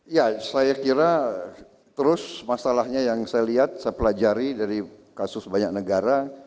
ya saya kira terus masalahnya yang saya lihat saya pelajari dari kasus banyak negara